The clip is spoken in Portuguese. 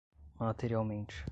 materialmente